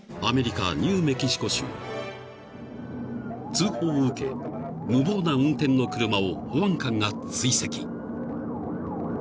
［通報を受け無謀な運転の車を保安官が追跡］